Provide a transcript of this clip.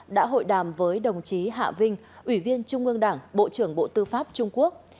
đã hội đàm với đồng chí hạ vinh ủy viên trung ương đảng bộ trưởng bộ tư pháp trung quốc